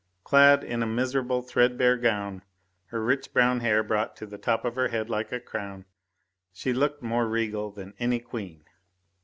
Clad in a miserable, threadbare gown, her rich brown hair brought to the top of her head like a crown, she looked more regal than any queen.